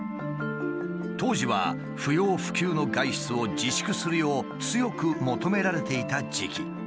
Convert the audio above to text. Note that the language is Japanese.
当時は不要不急の外出を自粛するよう強く求められていた時期。